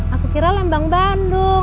aku kira lembang bandung